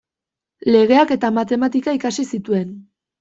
Legeak eta matematika ikasi zituen.